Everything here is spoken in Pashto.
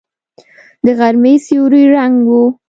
د غرمې سیوری ړنګ و.